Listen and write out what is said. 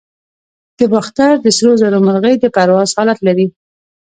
د باختر د سرو زرو مرغۍ د پرواز حالت لري